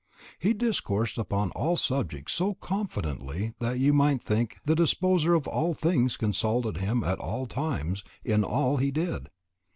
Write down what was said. He discoursed upon all subjects so confidently that you might think the Disposer of All Things consulted him at all times in all that He did.